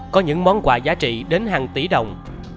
có những món quà giá trị đến hàng tỷ đồng